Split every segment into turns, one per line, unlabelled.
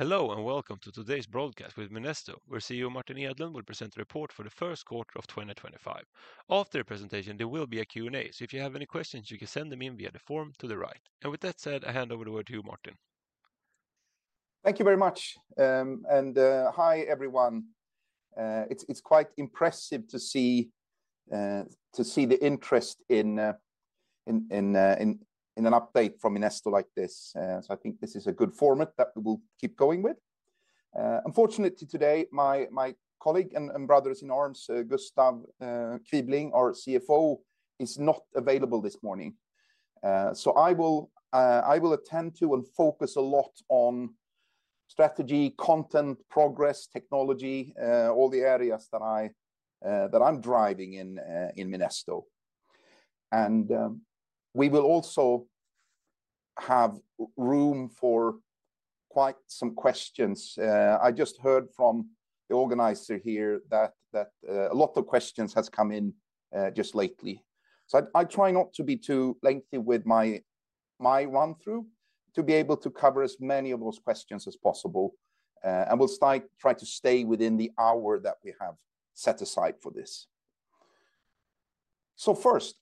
Hello and welcome to today's broadcast with Minesto, where CEO Martin Edlund will present a report for the first quarter of 2025. After the presentation, there will be a Q&A, so if you have any questions, you can send them in via the form to the right. With that said, I hand over the word to you, Martin.
Thank you very much. Hi everyone. It's quite impressive to see the interest in an update from Minesto like this. I think this is a good format that we will keep going with. Unfortunately, today, my colleague and brother in arms, Gustav Kvibling, our CFO, is not available this morning. I will attend to and focus a lot on strategy, content, progress, technology, all the areas that I'm driving in Minesto. We will also have room for quite some questions. I just heard from the organizer here that a lot of questions have come in just lately. I try not to be too lengthy with my run-through to be able to cover as many of those questions as possible. We'll try to stay within the hour that we have set aside for this. First,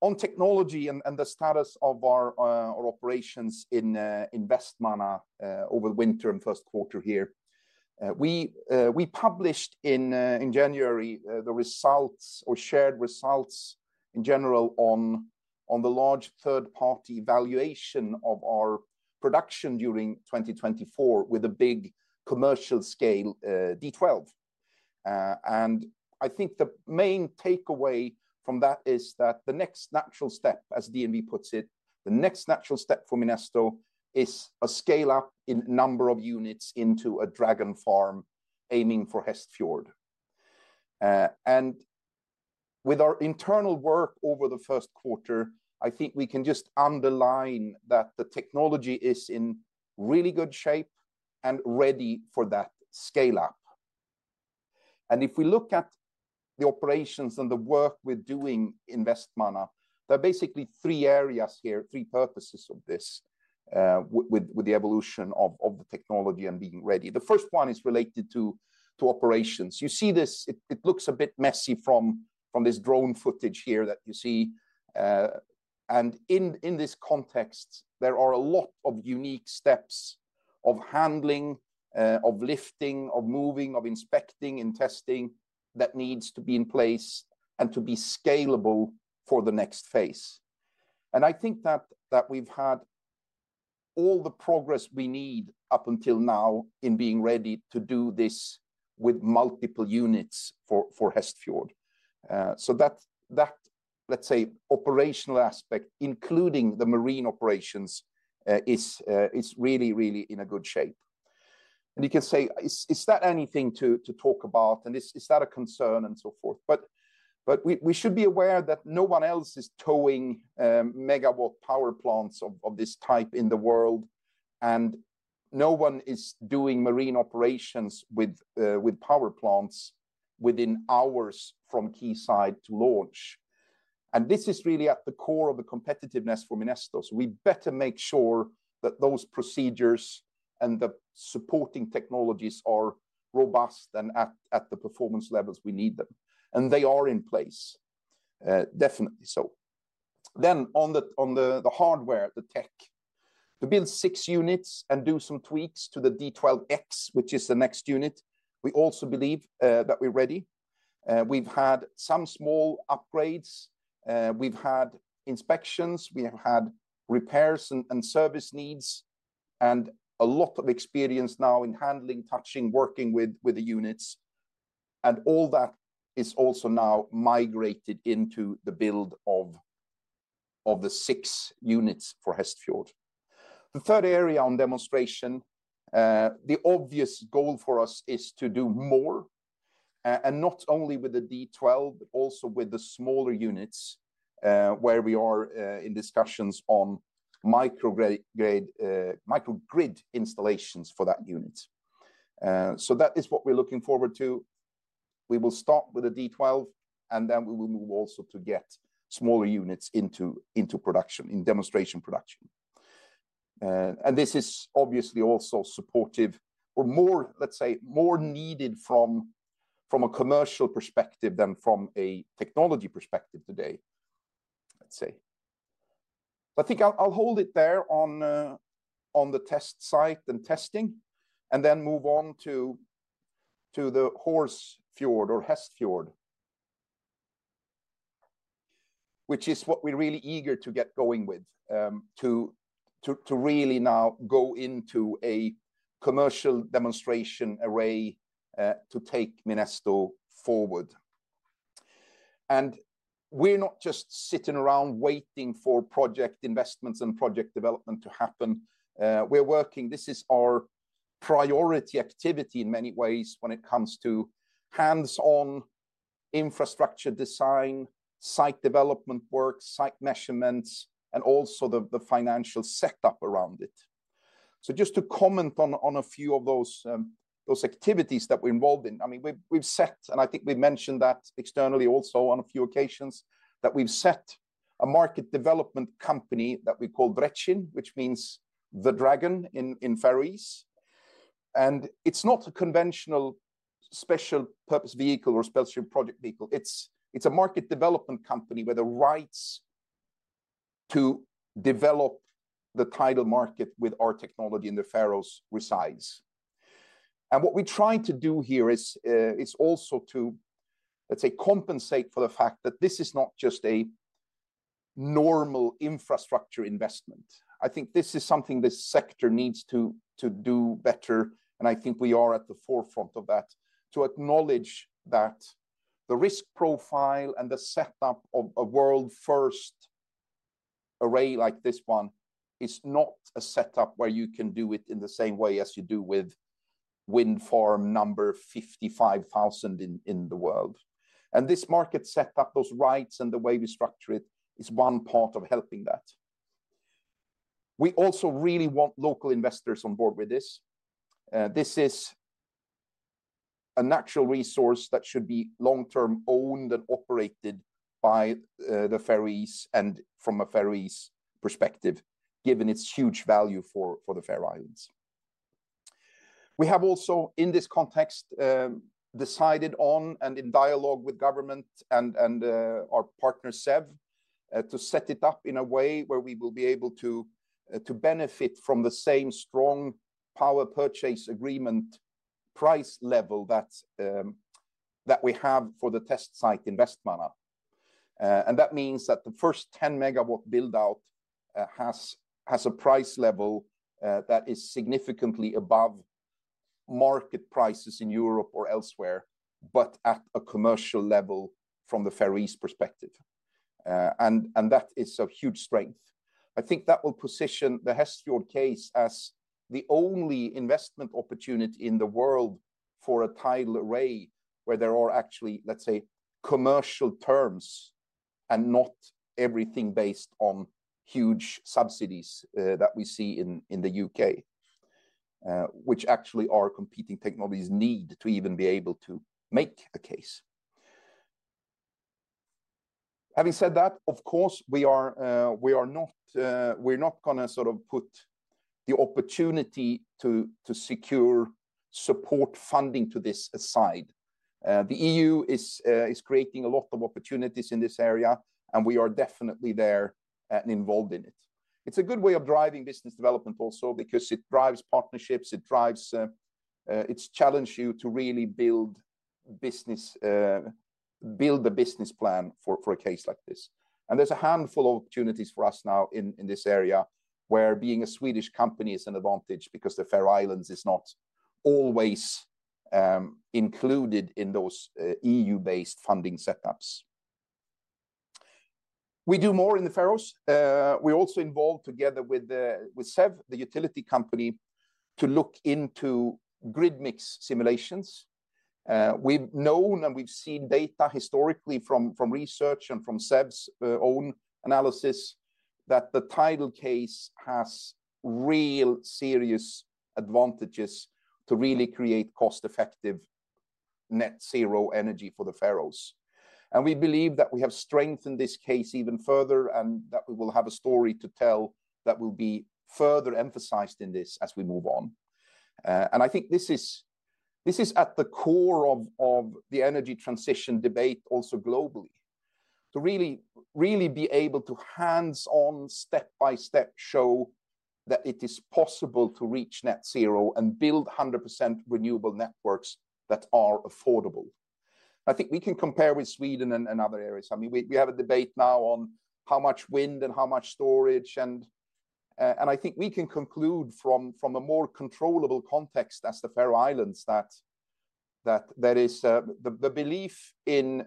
on technology and the status of our operations in Vestmanna over the winter and first quarter here. We published in January the results or shared results in general on the large third-party valuation of our production during 2024 with a big commercial scale, D12. I think the main takeaway from that is that the next natural step, as DNV puts it, the next natural step for Minesto is a scale-up in number of units into a Dragon farm aiming for Hestfjord. With our internal work over the first quarter, I think we can just underline that the technology is in really good shape and ready for that scale-up. If we look at the operations and the work we're doing in Vestmanna, there are basically three areas here, three purposes of this, with the evolution of the technology and being ready. The first one is related to operations. You see this, it looks a bit messy from this drone footage here that you see. In this context, there are a lot of unique steps of handling, of lifting, of moving, of inspecting and testing that needs to be in place and to be scalable for the next phase. I think that we've had all the progress we need up until now in being ready to do this with multiple units for Hestfjord. That operational aspect, including the marine operations, is really, really in a good shape. You can say, is that anything to talk about? Is that a concern and so forth? We should be aware that no one else is towing megawatt power plants of this type in the world, and no one is doing marine operations with power plants within hours from key site to launch. This is really at the core of the competitiveness for Minesto. We better make sure that those procedures and the supporting technologies are robust and at the performance levels we need them, and they are in place, definitely. On the hardware, the tech, to build six units and do some tweaks to the D12X, which is the next unit, we also believe that we're ready. We've had some small upgrades. We've had inspections, we have had repairs and service needs, and a lot of experience now in handling, touching, working with the units. All that is also now migrated into the build of the six units for Hestfjord. The third area on demonstration, the obvious goal for us is to do more, and not only with the D12, but also with the smaller units, where we are in discussions on microgrid installations for that unit. That is what we're looking forward to. We will start with a D12, and then we will move also to get smaller units into production, in demonstration production. This is obviously also supportive or more, let's say, more needed from a commercial perspective than from a technology perspective today, let's say. I think I'll hold it there on the test site and testing, and then move on to the Hestfjord, which is what we're really eager to get going with, to really now go into a commercial demonstration array, to take Minesto forward. We are not just sitting around waiting for project investments and project development to happen. We are working, this is our priority activity in many ways when it comes to hands-on infrastructure design, site development work, site measurements, and also the financial setup around it. Just to comment on a few of those activities that we're involved in, I mean, we've set, and I think we've mentioned that externally also on a few occasions, that we've set a market development company that we call Vretchin, which means the dragon in Faroese. It is not a conventional special purpose vehicle or special project vehicle. It is a market development company with the rights to develop the tidal market with our technology in the Faroes resides. What we try to do here is also to, let's say, compensate for the fact that this is not just a normal infrastructure investment. I think this is something this sector needs to do better. I think we are at the forefront of that to acknowledge that the risk profile and the setup of a world-first array like this one is not a setup where you can do it in the same way as you do with wind farm number 55,000 in the world. This market setup, those rights and the way we structure it is one part of helping that. We also really want local investors on board with this. This is a natural resource that should be long-term owned and operated by the Faroes, and from a Faroese perspective, given its huge value for the Faroe Islands. We have also, in this context, decided on and in dialogue with government and our partner SEV, to set it up in a way where we will be able to benefit from the same strong power purchase agreement price level that we have for the test site in Vestmanna. That means that the first 10 MW buildout has a price level that is significantly above market prices in Europe or elsewhere, but at a commercial level from the Faroese perspective. That is a huge strength. I think that will position the Hestfjord case as the only investment opportunity in the world for a tidal array where there are actually, let's say, commercial terms and not everything based on huge subsidies, that we see in the U.K., which actually our competing technologies need to even be able to make a case. Having said that, of course, we are not, we are not gonna sort of put the opportunity to secure support funding to this aside. The EU is creating a lot of opportunities in this area, and we are definitely there and involved in it. It's a good way of driving business development also because it drives partnerships, it drives, it challenges you to really build business, build a business plan for a case like this. There is a handful of opportunities for us now in this area where being a Swedish company is an advantage because the Faroe Islands is not always included in those EU-based funding setups. We do more in the Faroes. We are also involved together with SEV, the utility company, to look into grid mix simulations. We have known and we have seen data historically from research and from SEV's own analysis that the tidal case has real serious advantages to really create cost-effective net zero energy for the Faroes. We believe that we have strengthened this case even further and that we will have a story to tell that will be further emphasized in this as we move on. I think this is, this is at the core of the energy transition debate also globally to really, really be able to hands-on, step by step show that it is possible to reach net zero and build a 100% renewable network that is affordable. I think we can compare with Sweden and other areas. I mean, we have a debate now on how much wind and how much storage. I think we can conclude from a more controllable context as the Faroe Islands that there is the belief in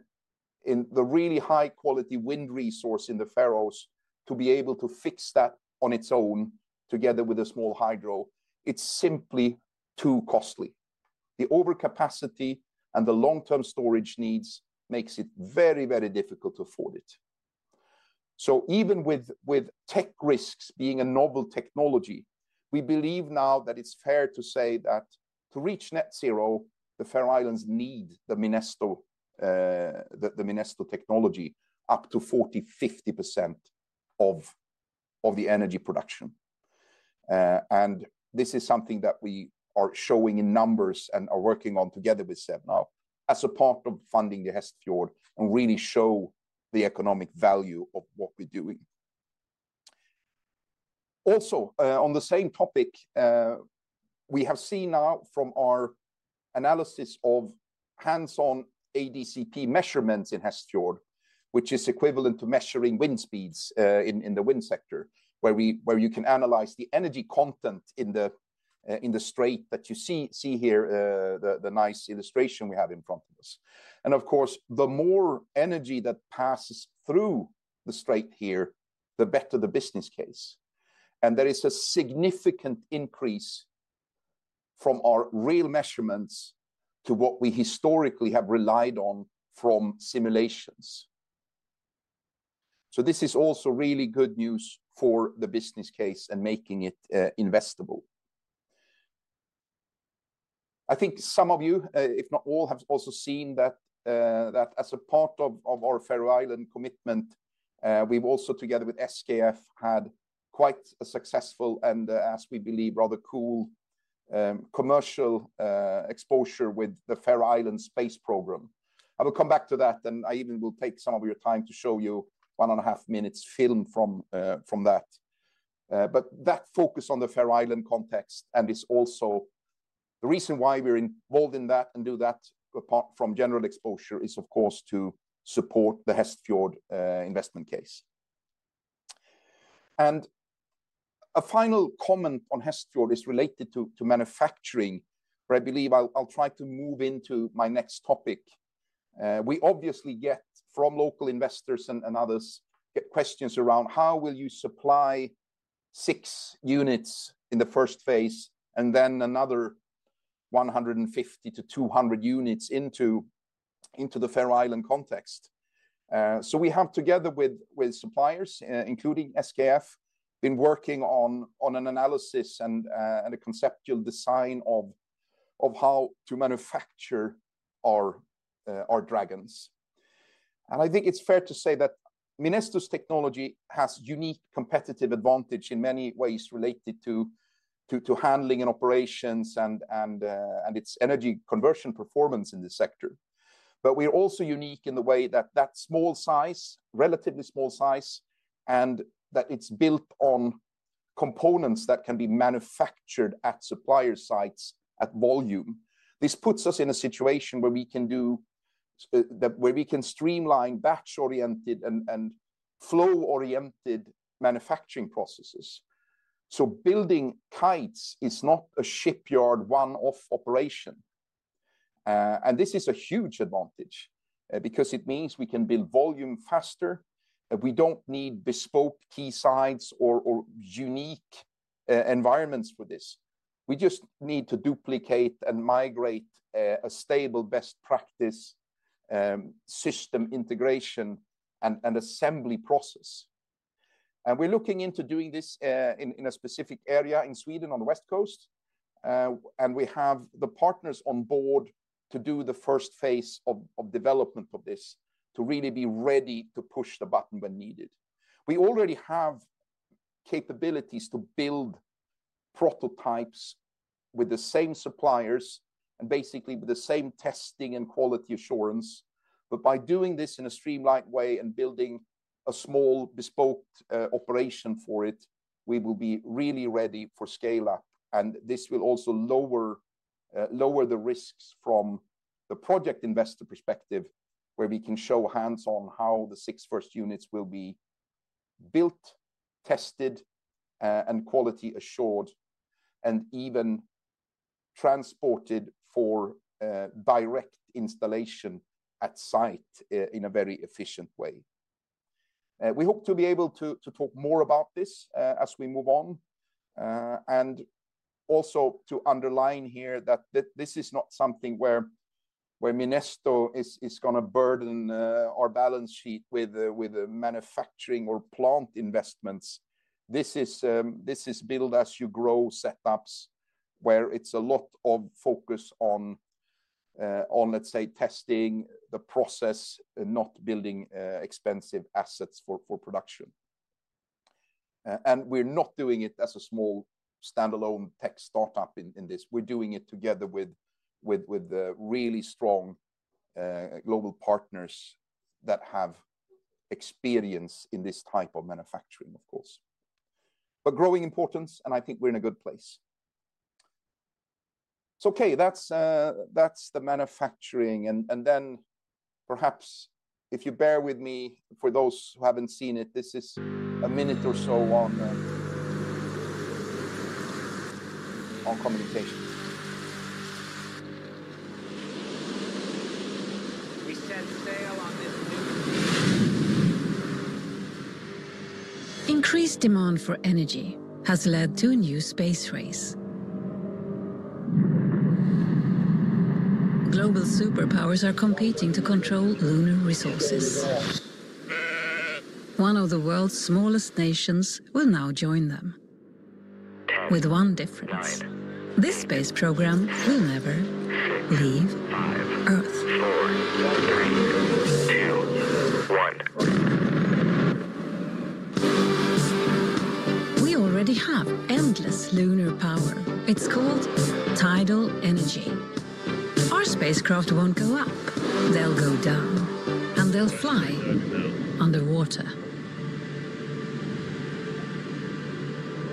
the really high quality wind resource in the Faroes to be able to fix that on its own together with a small hydro, it's simply too costly. The overcapacity and the long-term storage needs makes it very, very difficult to afford it. Even with tech risks being a novel technology, we believe now that it's fair to say that to reach net zero, the Faroe Islands need the Minesto, the Minesto technology up to 40%-50% of the energy production. This is something that we are showing in numbers and are working on together with SEV now as a part of funding the Hestfjord and really show the economic value of what we're doing. Also, on the same topic, we have seen now from our analysis of hands-on ADCP measurements in Hestfjord, which is equivalent to measuring wind speeds in the wind sector where you can analyze the energy content in the strait that you see here, the nice illustration we have in front of us. Of course, the more energy that passes through the strait here, the better the business case. There is a significant increase from our real measurements to what we historically have relied on from simulations. This is also really good news for the business case and making it investable. I think some of you, if not all, have also seen that as a part of our Faroe Islands commitment, we have also together with SKF had quite a successful and, as we believe, rather cool, commercial exposure with the Faroe Islands Space Program. I will come back to that, and I even will take some of your time to show you one and a half minutes film from that. That focus on the Faroe Island context and is also the reason why we are involved in that and do that apart from general exposure is of course to support the Hestfjord investment case. A final comment on Hestfjord is related to manufacturing, but I believe I'll try to move into my next topic. We obviously get from local investors and others get questions around how will you supply six units in the first phase and then another 150-200 units into the Faroe Island context. We have together with suppliers, including SKF, been working on an analysis and a conceptual design of how to manufacture our Dragons. I think it's fair to say that Minesto's technology has unique competitive advantage in many ways related to handling and operations and its energy conversion performance in the sector. We are also unique in the way that small size, relatively small size, and that it's built on components that can be manufactured at supplier sites at volume. This puts us in a situation where we can do that, where we can streamline batch oriented and flow oriented manufacturing processes. Building kites is not a shipyard one-off operation. This is a huge advantage, because it means we can build volume faster. We don't need bespoke key sites or unique environments for this. We just need to duplicate and migrate a stable best practice system integration and assembly process. We are looking into doing this in a specific area in Sweden on the West Coast. We have the partners on board to do the first phase of development of this to really be ready to push the button when needed. We already have capabilities to build prototypes with the same suppliers and basically with the same testing and quality assurance. By doing this in a streamlined way and building a small bespoke operation for it, we will be really ready for scale up. This will also lower the risks from the project investor perspective where we can show hands-on how the six first units will be built, tested, and quality assured and even transported for direct installation at site in a very efficient way. We hope to be able to talk more about this as we move on. Also to underline here that this is not something where Minesto is gonna burden our balance sheet with manufacturing or plant investments. This is build-as-you-grow setups where it's a lot of focus on, let's say, testing the process and not building expensive assets for production. We are not doing it as a small standalone tech startup in this. We're doing it together with really strong global partners that have experience in this type of manufacturing, of course. Growing importance, and I think we're in a good place. That's the manufacturing. Perhaps if you bear with me, for those who haven't seen it, this is a minute or so on communication. We set sail on this new increased demand for energy has led to a new space race. Global superpowers are competing to control lunar resources. One of the world's smallest nations will now join them with one difference. This space program will never leave Earth. We already have endless lunar power. It's called tidal energy. Our spacecraft won't go up, they'll go down and they'll fly underwater.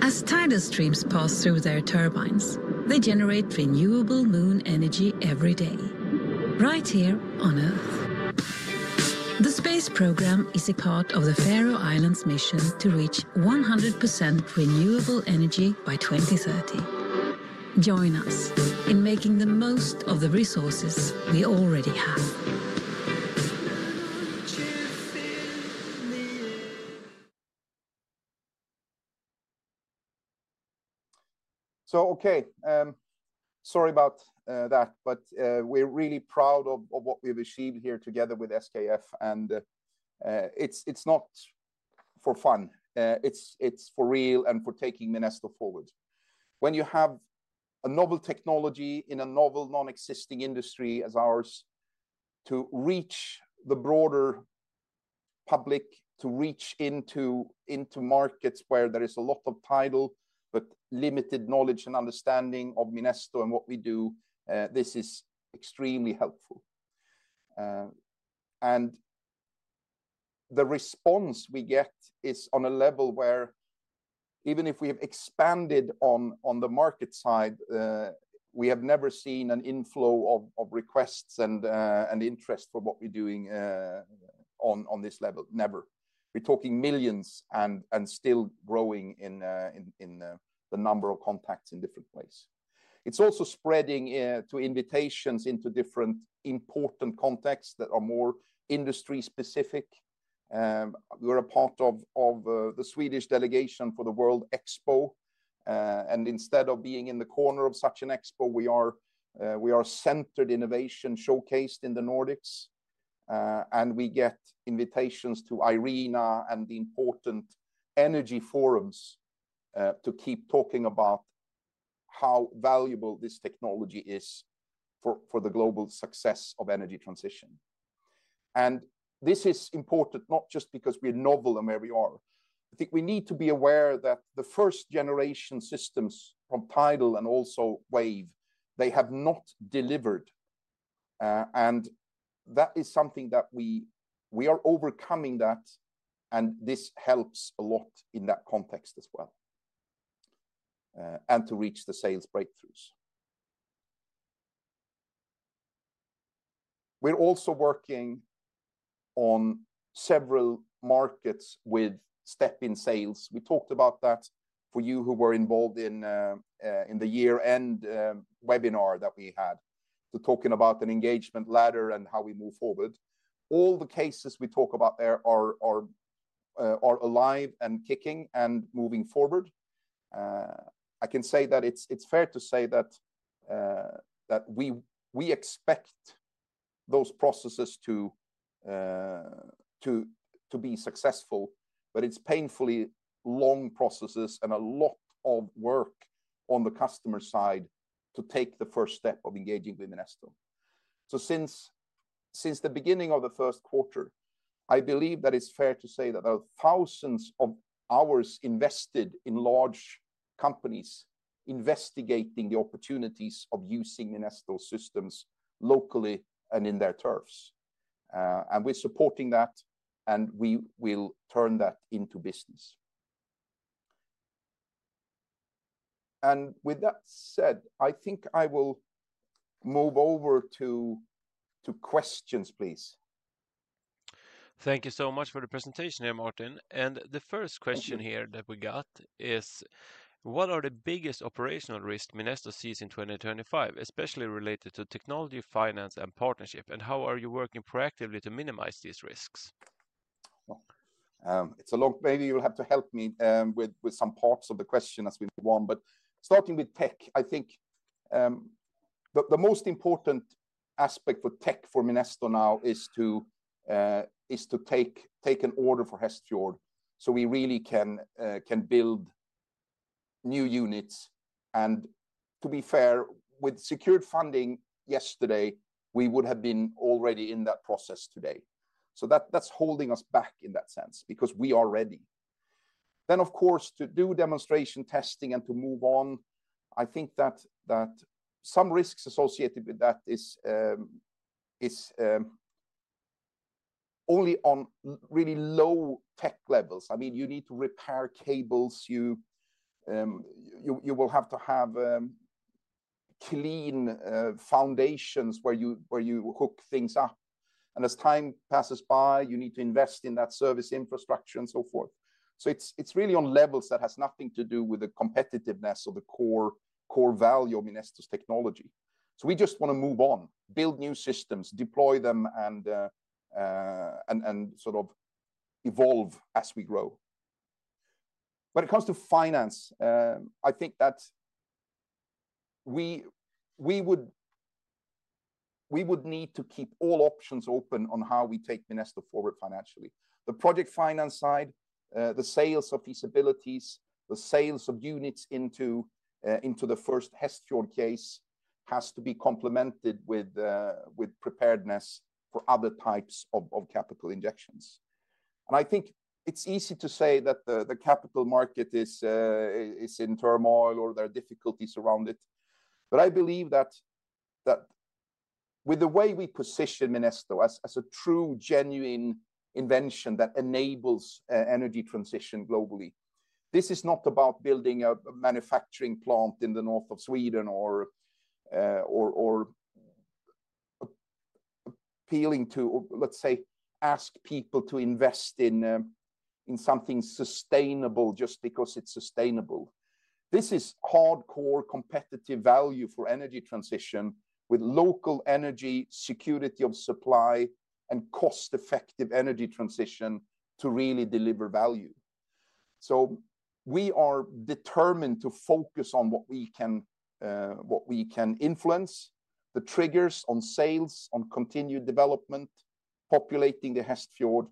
As tidal streams pass through their turbines, they generate renewable moon energy every day right here on Earth. The space program is a part of the Faroe Islands mission to reach 100% renewable energy by 2030. Join us in making the most of the resources we already have. Okay, sorry about that, but we are really proud of what we've achieved here together with SKF. It's not for fun. It's for real and for taking Minesto forward. When you have a novel technology in a novel non-existing industry as ours to reach the broader public, to reach into, into markets where there is a lot of tidal, but limited knowledge and understanding of Minesto and what we do, this is extremely helpful. The response we get is on a level where even if we have expanded on the market side, we have never seen an inflow of requests and interest for what we're doing on this level. Never. We are talking millions and still growing in the number of contacts in different ways. It's also spreading to invitations into different important contexts that are more industry specific. We're a part of the Swedish delegation for the World Expo. Instead of being in the corner of such an expo, we are centered innovation showcased in the Nordics. We get invitations to IRENA and the important energy forums to keep talking about how valuable this technology is for the global success of energy transition. This is important not just because we are novel and where we are. I think we need to be aware that the first generation systems from tidal and also wave, they have not delivered. That is something that we are overcoming. This helps a lot in that context as well. To reach the sales breakthroughs, we are also working on several markets with step in sales. We talked about that for you who were involved in the year end webinar that we had, talking about an engagement ladder and how we move forward. All the cases we talk about are alive and kicking and moving forward. I can say that it's fair to say that we expect those processes to be successful, but it's painfully long processes and a lot of work on the customer side to take the first step of engaging with Minesto. Since the beginning of the first quarter, I believe that it's fair to say that there are thousands of hours invested in large companies investigating the opportunities of using Minesto systems locally and in their turfs. We are supporting that and we will turn that into business. With that said, I think I will move over to questions, please.
Thank you so much for the presentation here, Martin. The first question here that we got is, what are the biggest operational risks Minesto sees in 2025, especially related to technology, finance, and partnership? How are you working proactively to minimize these risks?
It's a long, maybe you'll have to help me with some parts of the question as we move on. Starting with tech, I think the most important aspect for tech for Minesto now is to take an order for Hestfjord so we really can build new units. To be fair, with secured funding yesterday, we would have been already in that process today. That is holding us back in that sense because we are ready. Of course, to do demonstration testing and to move on, I think that some risks associated with that are only on really low tech levels. I mean, you need to repair cables, you will have to have clean foundations where you hook things up. As time passes by, you need to invest in that service infrastructure and so forth. It is really on levels that has nothing to do with the competitiveness or the core value of Minesto's technology. We just want to move on, build new systems, deploy them, and sort of evolve as we grow. When it comes to finance, I think that we would need to keep all options open on how we take Minesto forward financially. The project finance side, the sales of feasibilities, the sales of units into the first Hestfjord case has to be complemented with preparedness for other types of capital injections. I think it's easy to say that the capital market is in turmoil or there are difficulties around it. I believe that with the way we position Minesto as a true genuine invention that enables energy transition globally, this is not about building a manufacturing plant in the north of Sweden or appealing to, or let's say ask people to invest in something sustainable just because it's sustainable. This is hardcore competitive value for energy transition with local energy security of supply and cost effective energy transition to really deliver value. We are determined to focus on what we can influence, the triggers on sales, on continued development, populating the Hestfjord.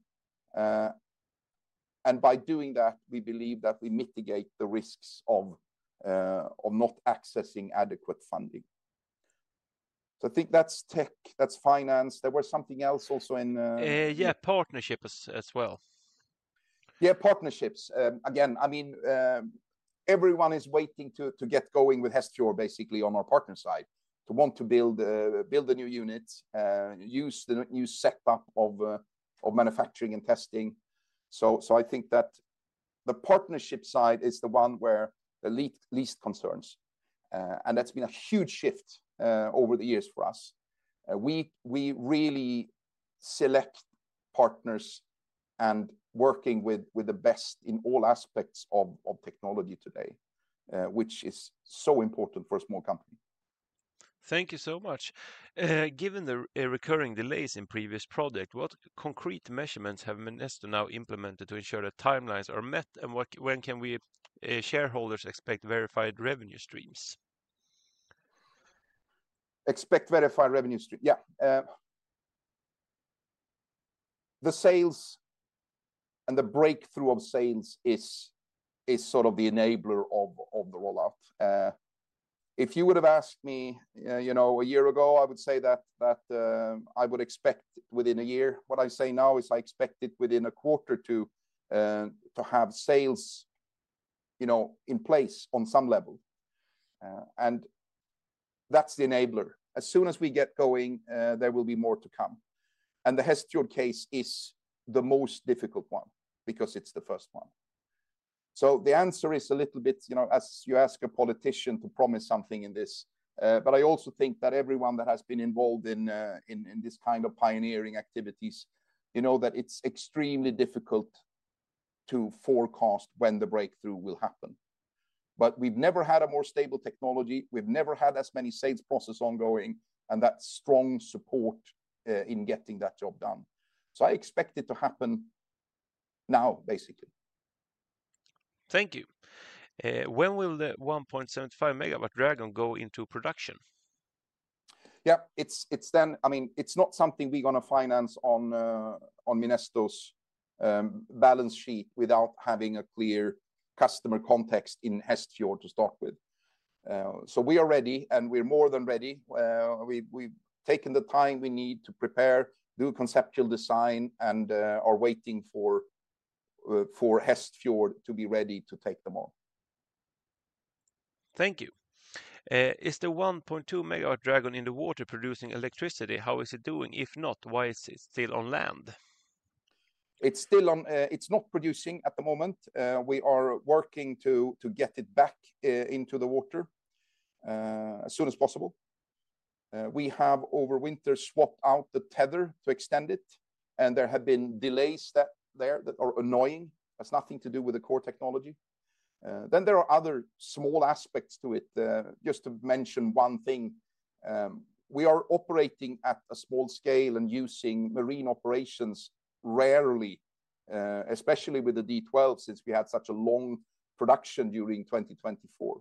By doing that, we believe that we mitigate the risks of not accessing adequate funding. I think that's tech, that's finance. There was something else also in-
Yeah, partnership as well.
Yeah, partnerships. Again, I mean, everyone is waiting to get going with Hestfjord basically on our partner side to want to build, build a new unit, use the new setup of manufacturing and testing. I think that the partnership side is the one where the least concerns. And that's been a huge shift over the years for us. We really select partners and working with the best in all aspects of technology today, which is so important for a small company.
Thank you so much. Given the recurring delays in previous project, what concrete measurements have Minesto now implemented to ensure that timelines are met? And what, when can we, shareholders expect verified revenue streams?
Expect verified revenue stream. Yeah. The sales and the breakthrough of sales is, is sort of the enabler of, of the rollout. If you would've asked me, you know, a year ago, I would say that, that, I would expect within a year. What I say now is I expect it within a quarter to, to have sales, you know, in place on some level. And that's the enabler. As soon as we get going, there will be more to come. The Hestfjord case is the most difficult one because it's the first one. The answer is a little bit, you know, as you ask a politician to promise something in this, but I also think that everyone that has been involved in, in, in this kind of pioneering activities, you know, that it's extremely difficult to forecast when the breakthrough will happen. But we've never had a more stable technology. We've never had as many sales process ongoing and that strong support in getting that job done. I expect it to happen now basically.
Thank you. When will the 1.75 MW Dragon go into production?
Yeah, it's, it's then, I mean, it's not something we are gonna finance on Minesto's balance sheet without having a clear customer context in Hestfjord to start with. We are ready and we are more than ready. We've taken the time we need to prepare, do conceptual design and are waiting for Hestfjord to be ready to take them on.
Thank you. Is the 1.2 MW Dragon in the water producing electricity? How is it doing? If not, why is it still on land?
It's still on, it's not producing at the moment. We are working to get it back into the water as soon as possible. We have over winter swapped out the tether to extend it and there have been delays that are annoying. That's nothing to do with the core technology. There are other small aspects to it. Just to mention one thing, we are operating at a small scale and using marine operations rarely, especially with the D12 since we had such a long production during 2024.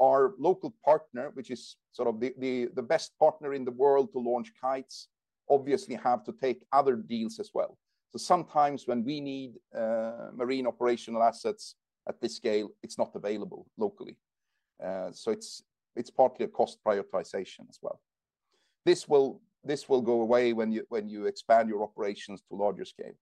Our local partner, which is sort of the best partner in the world to launch kites, obviously have to take other deals as well. Sometimes when we need marine operational assets at this scale, it's not available locally. It is partly a cost prioritization as well. This will go away when you expand your operations to larger scale.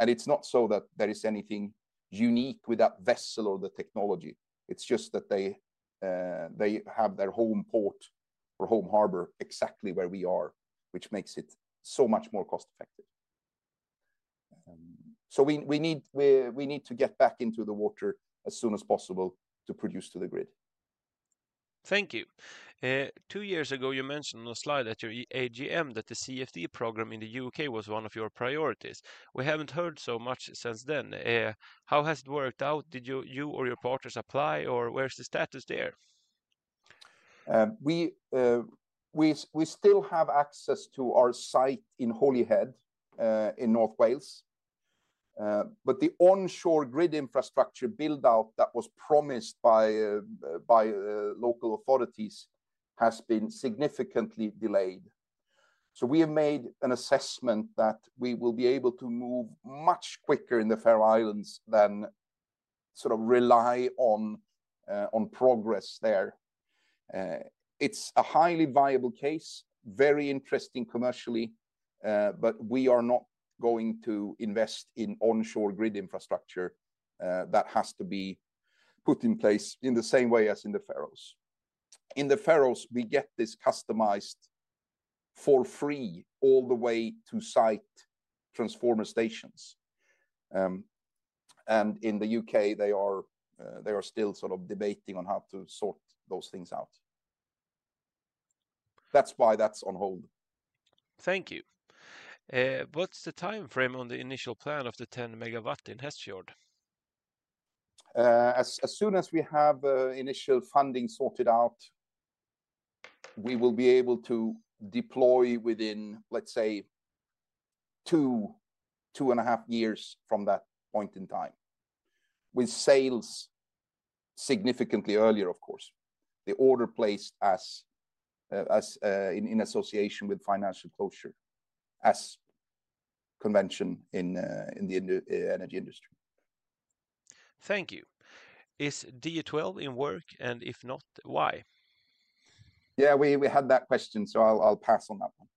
It is not so that there is anything unique with that vessel or the technology. It's just that they have their home port or home harbor exactly where we are, which makes it so much more cost effective. We need, we need to get back into the water as soon as possible to produce to the grid.
Thank you. Two years ago you mentioned on the slide at your AGM that the CFD program in the U.K. was one of your priorities. We haven't heard so much since then. How has it worked out? Did you, you or your partners apply or where's the status there?
We still have access to our site in Holyhead, in North Wales. The onshore grid infrastructure buildout that was promised by local authorities has been significantly delayed. We have made an assessment that we will be able to move much quicker in the Faroe Islands than sort of rely on progress there. It is a highly viable case, very interesting commercially, but we are not going to invest in onshore grid infrastructure. That has to be put in place in the same way as in the Faroes. In the Faroes, we get this customized for free all the way to site transformer stations. In the U.K., they are still sort of debating on how to sort those things out. That is why that is on hold.
Thank you. What is the timeframe on the initial plan of the 10 MW in Hestfjord?
As soon as we have initial funding sorted out, we will be able to deploy within, let's say, 2, 2.5 years from that point in time with sales significantly earlier, of course. The order placed as, in association with financial closure as convention in the energy industry.
Thank you. Is D12 in work? And if not, why?
Yeah, we had that question, so I'll pass on that one.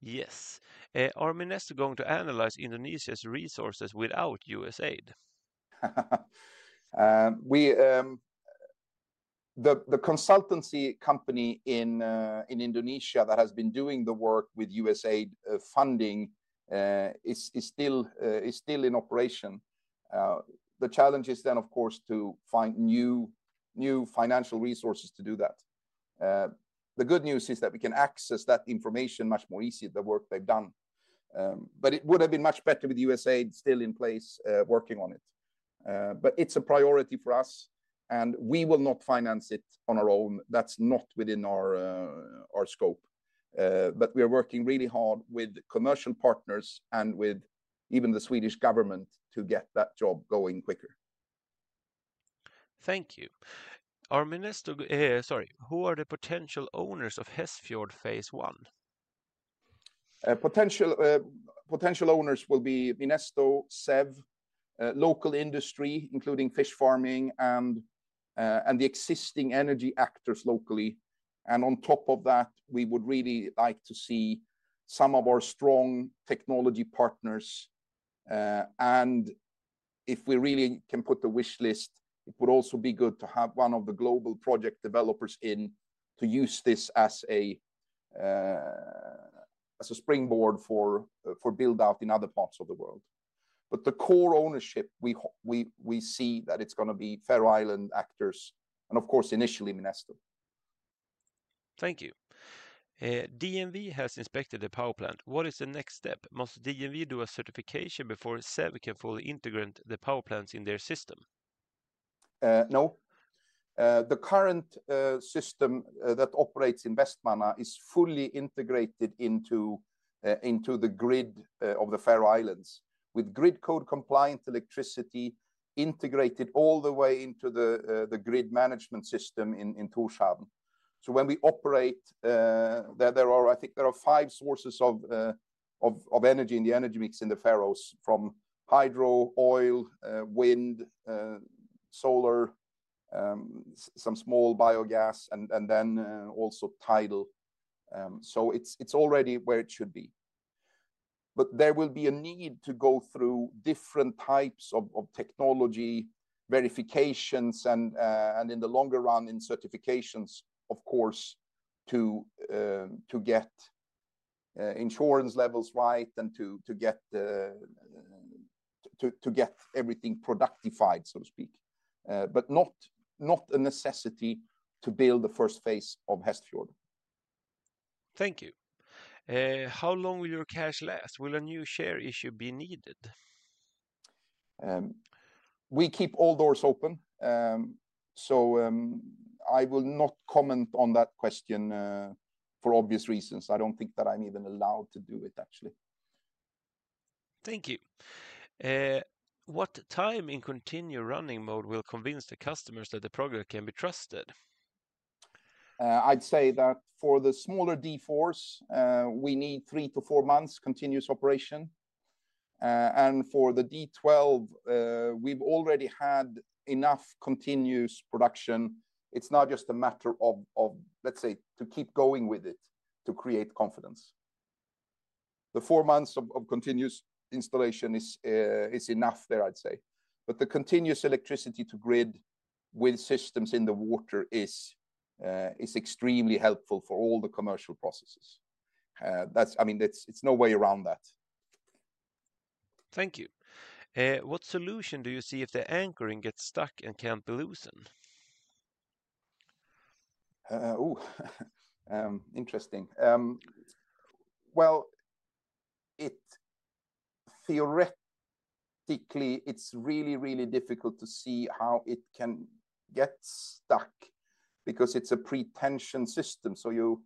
Yes. Are Minesto going to analyze Indonesia's resources without USAID?
We, the consultancy company in Indonesia that has been doing the work with USAID funding, is still in operation. The challenge is then, of course, to find new financial resources to do that. The good news is that we can access that information much more easily, the work they've done. It would've been much better with USAID still in place, working on it. It is a priority for us and we will not finance it on our own. That's not within our scope. We are working really hard with commercial partners and with even the Swedish government to get that job going quicker.
Thank you. Are Minesto, sorry, who are the potential owners of Hestfjord phase I?
Potential owners will be Minesto, SEV, local industry, including fish farming and the existing energy actors locally. On top of that, we would really like to see some of our strong technology partners. If we really can put the wishlist, it would also be good to have one of the global project developers in to use this as a springboard for buildout in other parts of the world. The core ownership, we see that it's gonna be Faroe Island actors and of course initially Minesto.
Thank you. DNV has inspected the power plant. What is the next step? Must DNV do a certification before SEV can fully integrate the power plants in their system?
No. The current system that operates in Vestmanna is fully integrated into the grid of the Faroe Islands with grid code compliant electricity integrated all the way into the grid management system in Tórshavn. When we operate, there are, I think there are five sources of energy in the energy mix in the Faroes from hydro, oil, wind, solar, some small biogas, and then also tidal. It's already where it should be, but there will be a need to go through different types of technology verifications and, in the longer run, certifications, of course, to get insurance levels right and to get everything productified, so to speak. Not a necessity to build the first phase of Hestfjord.
Thank you. How long will your cash last? Will a new share issue be needed?
We keep all doors open. I will not comment on that question, for obvious reasons. I don't think that I'm even allowed to do it actually.
Thank you. What time in continue running mode will convince the customers that the program can be trusted?
I'd say that for the smaller D4s, we need 3-4 months continuous operation. For the D12, we've already had enough continuous production. It's not just a matter of, of, let's say to keep going with it to create confidence. The four months of, of continuous installation is, is enough there, I'd say. The continuous electricity to grid with systems in the water is, is extremely helpful for all the commercial processes. That's, I mean, it's, it's no way around that.
Thank you. What solution do you see if the anchoring gets stuck and can't be loosened?
Ooh, interesting. It theoretically, it's really, really difficult to see how it can get stuck because it's a pretension system. You,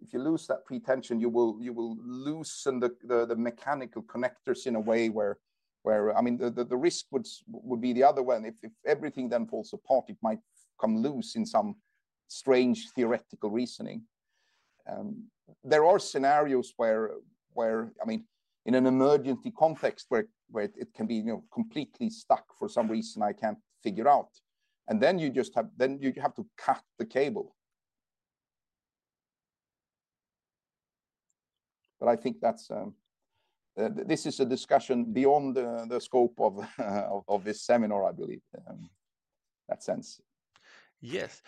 if you lose that pretension, you will, you will loosen the, the, the mechanical connectors in a way where, where, I mean, the, the, the risk would, would be the other one. If, if everything then falls apart, it might come loose in some strange theoretical reasoning. There are scenarios where, I mean, in an emergency context where it can be, you know, completely stuck for some reason I can't figure out. And then you just have, then you have to cut the cable. I think this is a discussion beyond the scope of this seminar, I believe. That sense.
Yes.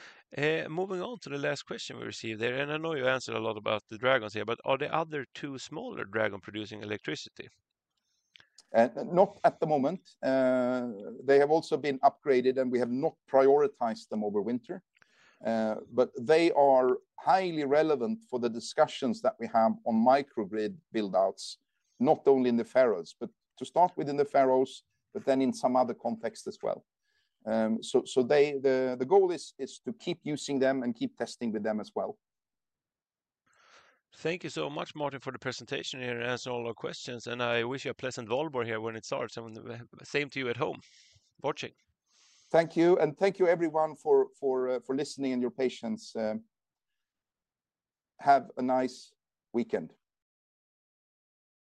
Moving on to the last question we received there. I know you answered a lot about the Dragons here, but are the other two smaller Dragons producing electricity?
Not at the moment. They have also been upgraded and we have not prioritized them over winter. They are highly relevant for the discussions that we have on microgrid buildouts, not only in the Faroes, but to start with in the Faroes, but then in some other context as well. So, the goal is to keep using them and keep testing with them as well.
Thank you so much, Martin, for the presentation here and answering all our questions. I wish you a pleasant Valborg here when it starts. Same to you at home watching. Thank you. Thank you everyone for listening and your patience. Have a nice weekend.